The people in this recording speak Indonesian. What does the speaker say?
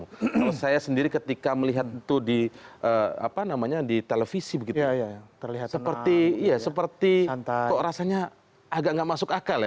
kalau saya sendiri ketika melihat itu di televisi begitu terlihat seperti kok rasanya agak nggak masuk akal ya